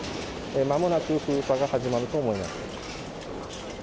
間もなく封鎖が始まると思います。